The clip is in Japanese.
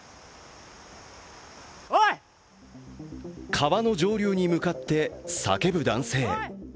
川の上流に向かって叫ぶ男性。